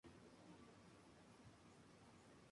La agricultura es una parte importante de la alimentación.